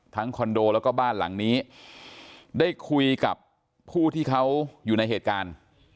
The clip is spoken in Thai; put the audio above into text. คอนโดแล้วก็บ้านหลังนี้ได้คุยกับผู้ที่เขาอยู่ในเหตุการณ์